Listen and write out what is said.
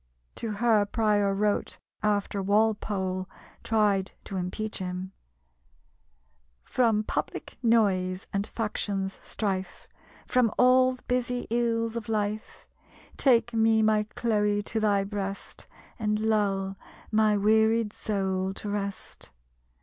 To her Prior wrote, after Walpole tried to impeach him: "From public noise and faction's strife, From all the busy ills of life, Take me, my Chloe, to thy breast, And lull my wearied soul to rest.